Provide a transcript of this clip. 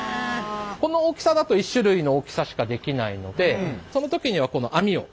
この大きさだと１種類の大きさしかできないのでその時にはこの網を。